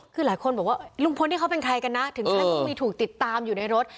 คือหลายคนบอกว่าลุงพลที่เขาเป็นใครกันนะถึงขั้นต้องมีถูกติดตามอยู่ในรถ